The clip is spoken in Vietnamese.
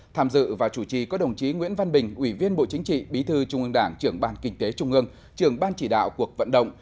tham dự và chủ trì có đồng chí nguyễn văn bình ủy viên bộ chính trị bí thư trung ương đảng trưởng bàn kinh tế trung ương trưởng ban chỉ đạo cuộc vận động